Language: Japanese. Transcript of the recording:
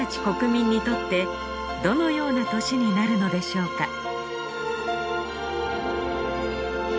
国民にとってどのような年になるのでしょうか